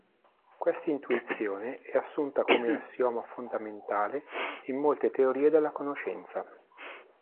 Quest'intuizione è assunta come assioma fondamentale in molte teorie della conoscenza.